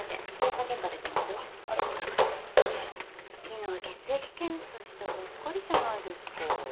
昨日血液検査したばっかりじゃないですか。